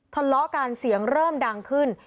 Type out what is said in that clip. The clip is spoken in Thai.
ทะเลาะกันเสียงเริ่มดังขึ้น